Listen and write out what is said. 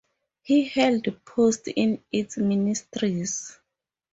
He held posts in its ministries.